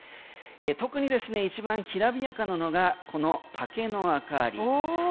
特に一番きらびやかなのがこの竹の明かり。